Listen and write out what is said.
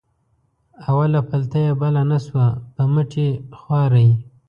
اوله پلته یې بله نه شوه په مټې خوارۍ.